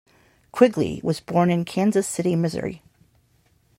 Quigley was born in Kansas City, Missouri.